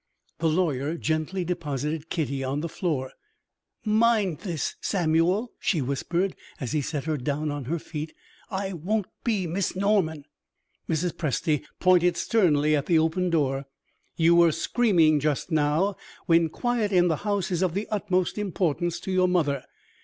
The lawyer gently deposited Kitty on the floor. "Mind this, Samuel," she whispered, as he set her down on her feet, "I won't be Miss Norman." Mrs. Presty pointed sternly at the open door. "You were screaming just now, when quiet in the house is of the utmost importance to your mother.